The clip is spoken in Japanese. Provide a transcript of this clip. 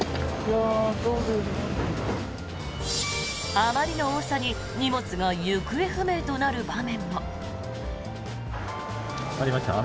あまりの多さに荷物が行方不明となる場面も。